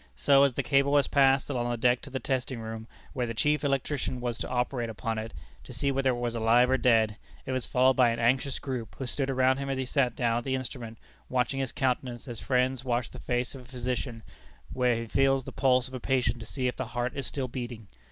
So, as the cable was passed along the deck to the testing room, where the chief electrician was to operate upon it, to see whether it was alive or dead, it was followed by an anxious group, who stood around him as he sat down at the instrument, watching his countenance as friends watch the face of a physician, when he feels the pulse of a patient to see if the heart is still beating.